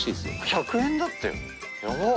１００円だってよヤバっ。